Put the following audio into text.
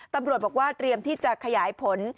ตำรวจบอกว่าเตรียมที่จะขยายผล